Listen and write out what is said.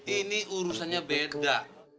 ini urusannya beda